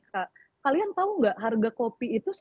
kak kalian tahu nggak harga kopi itu